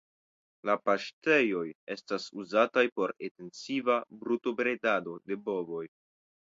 La paŝtejoj estas uzataj por etensiva brutobredado de bovoj.